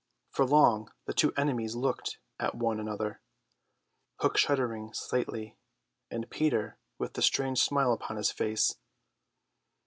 For long the two enemies looked at one another, Hook shuddering slightly, and Peter with the strange smile upon his face.